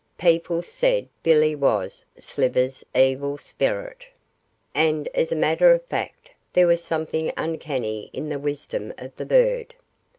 People said Billy was Slivers' evil spirit, and as a matter of fact, there was something uncanny in the wisdom of the bird.